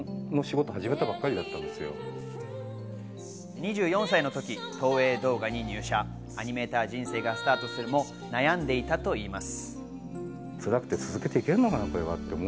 ２４歳の時、東映動画に入社、アニメーター人生がスタートするも、悩んでいたといいます。